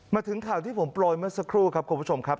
มาถึงข่าวที่ผมโปรยเมื่อสักครู่ครับคุณผู้ชมครับ